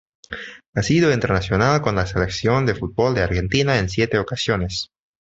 Ha sido internacional con la Selección de fútbol de Argentina en siete ocasiones.